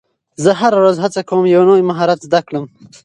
زه هره ورځ هڅه کوم یو نوی مهارت زده کړم